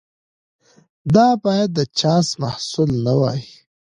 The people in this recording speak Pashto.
دا باید د چانس محصول نه وي.